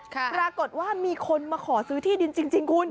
ปรากฏว่ามีคนมาขอซื้อที่ดินจริงคุณ